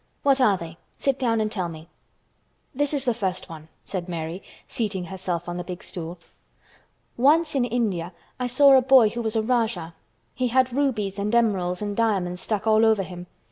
"What are they? Sit down and tell me." "This is the first one," said Mary, seating herself on the big stool. "Once in India I saw a boy who was a Rajah. He had rubies and emeralds and diamonds stuck all over him.